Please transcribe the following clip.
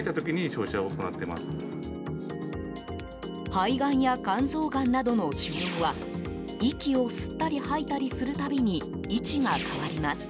肺がんや肝臓がんなどの腫瘍は息を吸ったり吐いたりする度に位置が変わります。